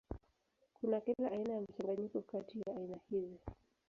Kuna kila aina ya mchanganyiko kati ya aina hizi.